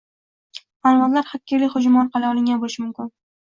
Ma’lumotlar xakerlik hujumi orqali olingan bo‘lishi mumkin